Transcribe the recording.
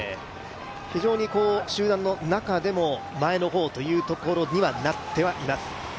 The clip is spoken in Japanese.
非常に集団の中でも前の方というところになってはいます。